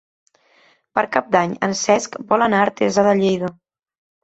Per Cap d'Any en Cesc vol anar a Artesa de Lleida.